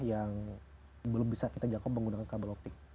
yang belum bisa kita jangkau menggunakan kabel optik